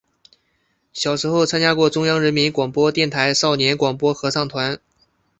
小时候参加过中央人民广播电台少年广播合唱团。